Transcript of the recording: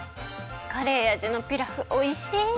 カレーあじのピラフおいしい！